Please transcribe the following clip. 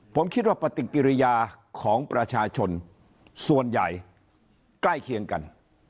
ผมคิดว่าปฏิกิริยาของประชาชนส่วนใหญ่ใกล้เคียงกัน